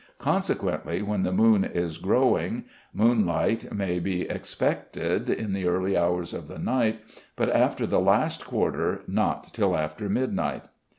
Consequently, when the moon is growing, moonlight may be expected in the early hours of the night, but after the last quarter not till after midnight.